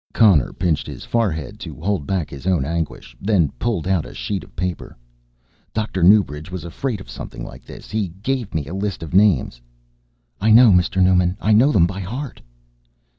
Connor pinched his forehead to hold back his own anguish, then pulled out a sheet of paper. "Dr. Newbridge was afraid of something like this. He gave me a list of names." "I know, Mr. Newman, I know them by heart."